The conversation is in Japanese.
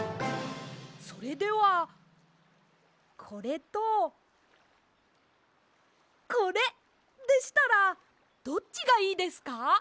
それではこれとこれでしたらどっちがいいですか？